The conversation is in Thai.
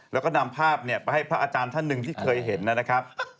แล้วก็นำภาพไปให้พระอาจารย์ท่านหนึ่งที่เคยเห็นนะครับ